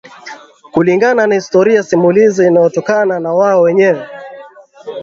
Kulingana na historia simulizi inayotokana na wao wenyewe